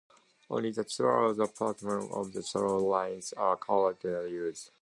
Only the two outer platforms on the slow lines are currently used.